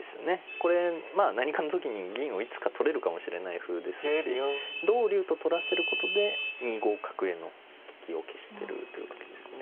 これまあ何かの時に銀をいつか取れるかもしれないふうですし同竜と取らせることで２五角への利きを消してるというわけですね。